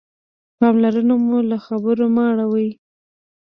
پاملرنه مو له خبرو مه اړوئ.